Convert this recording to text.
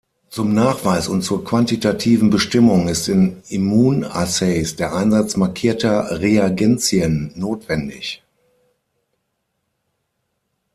Zum Nachweis und zur quantitativen Bestimmung ist in Immunassays der Einsatz markierter Reagenzien notwendig.